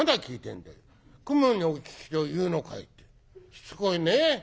しつこいね。